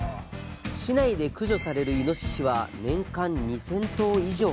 市内で駆除されるイノシシは年間２，０００頭以上。